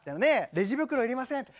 「レジ袋いりません」。